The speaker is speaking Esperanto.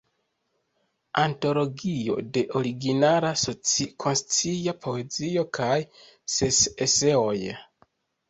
Antologio de originala soci-konscia poezio kaj ses eseoj.